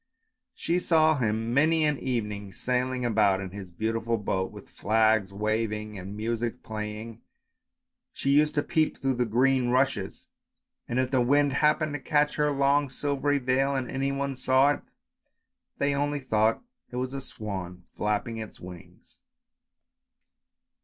She saw him many an evening sailing about in his beautiful boat, with flags waving and music playing, she used to peep through the green rushes, and if the wind happened to catch her long silvery veil and any one saw it, they only thought it was a swan flapping its wings.